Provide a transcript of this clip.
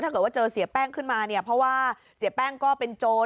ถ้าเกิดว่าเจอเสียแป้งขึ้นมาเนี่ยเพราะว่าเสียแป้งก็เป็นโจร